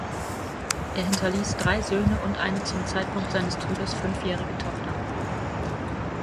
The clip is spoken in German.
Er hinterließ drei Söhne und eine zum Zeitpunkt seines Todes fünfjährige Tochter.